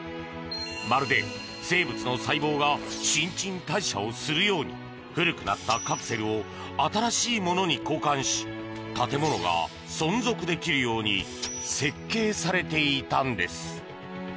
まるで生物の細胞が新陳代謝をするように古くなったカプセルを新しいものに交換し建物が存続できるように設計されていたのです。